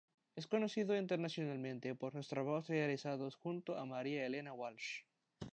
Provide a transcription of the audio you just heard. Es conocido internacionalmente por sus trabajos realizados junto a María Elena Walsh.